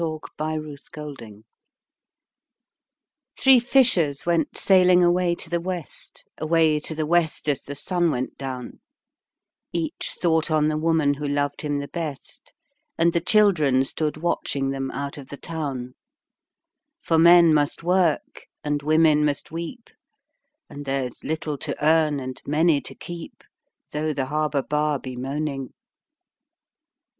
Eversley, 1851. THE THREE FISHERS Three fishers went sailing away to the West, Away to the West as the sun went down; Each thought on the woman who loved him the best, And the children stood watching them out of the town; For men must work, and women must weep, And there's little to earn, and many to keep, Though the harbour bar be moaning.